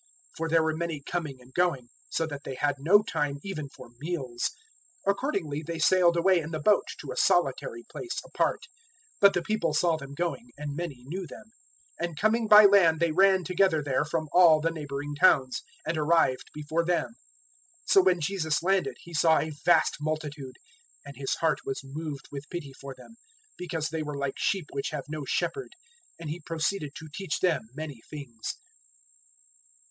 For there were many coming and going, so that they had no time even for meals. 006:032 Accordingly they sailed away in the boat to a solitary place apart. 006:033 But the people saw them going, and many knew them; and coming by land they ran together there from all the neighbouring towns, and arrived before them. 006:034 So when Jesus landed, He saw a vast multitude; and His heart was moved with pity for them, because they were like sheep which have no shepherd, and He proceeded to teach them many things.